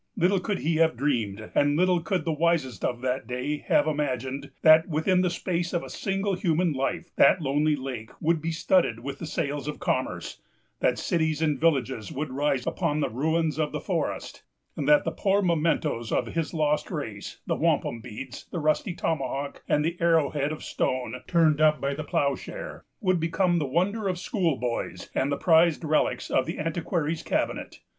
Little could he have dreamed, and little could the wisest of that day have imagined, that, within the space of a single human life, that lonely lake would be studded with the sails of commerce; that cities and villages would rise upon the ruins of the forest; and that the poor mementoes of his lost race——the wampum beads, the rusty tomahawk, and the arrowhead of stone, turned up by the ploughshare——would become the wonder of schoolboys, and the prized relics of the antiquary's cabinet.